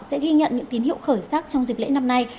sẽ ghi nhận những tín hiệu khởi sắc trong dịp lễ năm nay